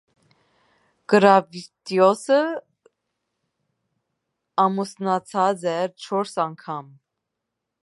Կլավդիոսը ամուսնացած էր չորս անգամ։